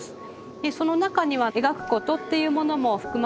その中には描くことっていうものも含まれます